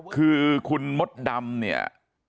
คือคุณมดดำเนี่ย